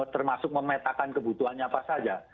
termasuk memetakan kebutuhannya apa saja